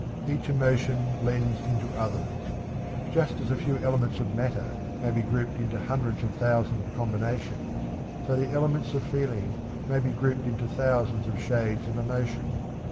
Each emotion blends into others. Just as a few elements of matter may be grouped into hundreds of thousands of combinations, so the elements of feeling may be grouped into thousands of shades of emotion.